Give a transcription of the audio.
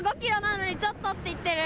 ちょっとって言ってる。